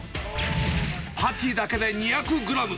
パティだけで２００グラム。